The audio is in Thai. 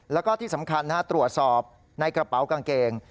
แล้วก็ที่สำคัญตรวจสอบในกระเป๋ากางเกง